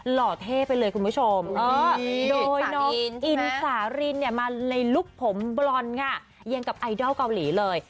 หล่อเท่ไปเลยนะคุณผู้ชมโดยนมมาในลูกผมบรอนนะยิ้งกับไอดอลเกาหลีเลย